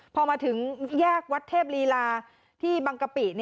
พอมาถึงแยกวัดเทพลีลาที่บังกะปิ